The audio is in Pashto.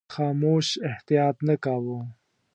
خاموش احتیاط نه کاوه.